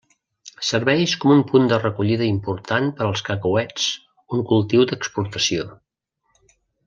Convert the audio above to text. Serveix com un punt de recollida important per als cacauets, un cultiu d'exportació.